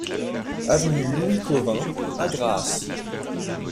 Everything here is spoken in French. Avenue Louis Cauvin à Grasse